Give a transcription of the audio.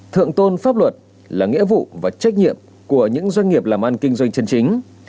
thượng tôn pháp luật là nghĩa vụ và trách nhiệm của những doanh nghiệp làm ăn kinh doanh chân chính